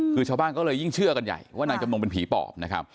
คือชาวบ้านก็เลยยิ่งเชื่อกันใหญ่ว่านางจำนงเป็นผีปอบนะครับ